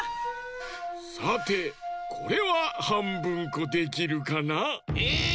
さてこれははんぶんこできるかな？え！